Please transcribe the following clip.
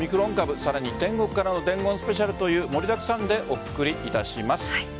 さらに天国からの伝言スペシャル盛りだくさんでお送りいたします。